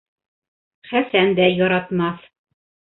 Хәсән дә яратмаҫ.